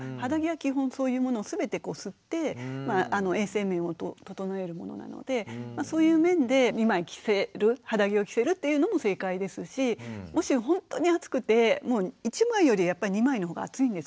基本そういうものを全て吸って衛生面を整えるものなのでそういう面で２枚着せる肌着を着せるというのも正解ですしもしほんとに暑くて１枚よりやっぱり２枚の方が暑いんですよ。